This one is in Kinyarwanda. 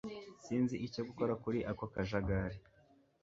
Sinzi icyo gukora kuri ako kajagari